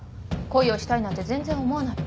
恋をしたいなんて全然思わない。